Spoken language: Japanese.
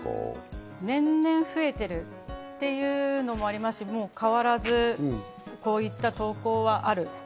年々増えているっていうのもありますし、変わらず、こういった投稿はある。